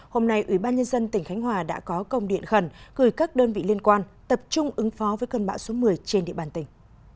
hôm nay ủy ban nhân dân tỉnh khánh hòa đã có công điện khẩn gửi các đơn vị liên quan tập trung ứng phó với cơn bão số một mươi trên địa bàn tỉnh